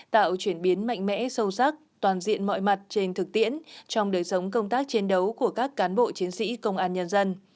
tạo chuyển biến mạnh mẽ sâu sắc toàn diện mọi mặt trên thực tiễn trong đời sống công tác chiến đấu của các cán bộ chiến sĩ công an nhân dân